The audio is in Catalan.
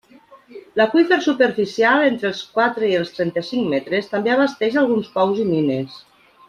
L'aqüífer superficial, entre els quatre i els trenta-cinc metres, també abasteix alguns pous i mines.